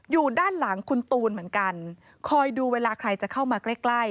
อยู่ด้านหลังคุณตูนเหมือนกันคอยดูเวลาใครจะเข้ามาใกล้ใกล้